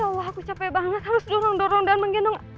kalau aku capek banget harus dorong dorong dan menggendong